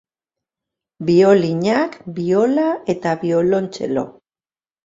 Biolinak, biola eta biolontxelo.